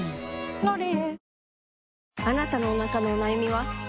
「ロリエ」